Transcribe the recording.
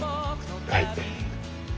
はい。